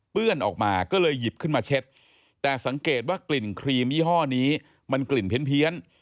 ออกมาก็เลยหยิบขึ้นมาเช็ดแต่สังเกตว่ากลิ่นครีมยี่ห้อนี้มันกลิ่นเพี้ยน